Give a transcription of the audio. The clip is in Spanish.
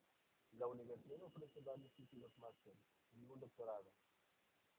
La universidad ofrece varios títulos máster y un doctorado.